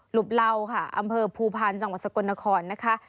บเหล้าค่ะอำเภอภูพาลจังหวัดสกลนครนะคะ